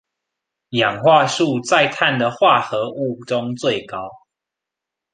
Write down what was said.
氧化數在碳的化合物中最高